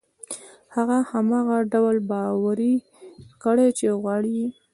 هغه هماغه ډول باوري کړئ چې غواړي يې.